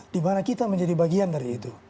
di mana kita menjadi bagian dari itu